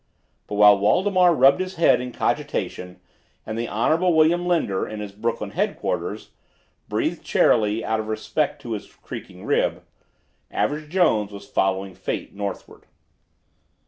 But while Waldemar rubbed his head in cogitatation and the Honorable William Linder, in his Brooklyn headquarters, breathed charily, out of respect to his creaking rib, Average Jones was following fate northward.